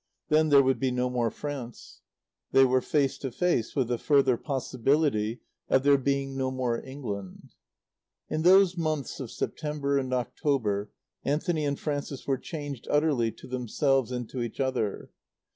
Then there would be no more France. They were face to face with the further possibility of there being no more England. In those months of September and October Anthony and Frances were changed utterly to themselves and to each other.